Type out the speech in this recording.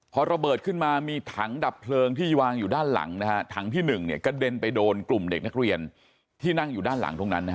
พอระเบิดขึ้นมามีถังดับเพลิงที่วางอยู่ด้านหลังนะฮะ